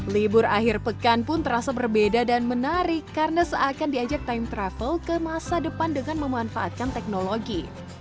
libur akhir pekan pun terasa berbeda dan menarik karena seakan diajak time travel ke masa depan dengan memanfaatkan teknologi